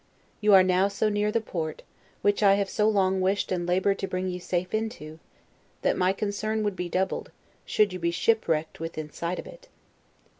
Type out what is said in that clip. You are now so near the port, which I have so long wished and labored to bring you safe into, that my concern would be doubled, should you be shipwrecked within sight of it.